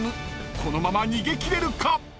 ［このまま逃げ切れるか⁉］